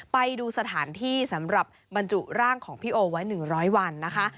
ไปดูสถานที่สำหรับบรรจุร่างของพี่โอไว้๑๐๐วันนะคะ